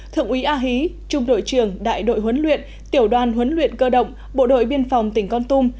thượng úy a hí trung đội trưởng đại đội huấn luyện tiểu đoàn huấn luyện cơ động bộ đội biên phòng tỉnh con tum